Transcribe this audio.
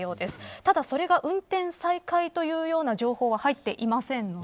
ただ、それが運転再開というような情報は入っていません。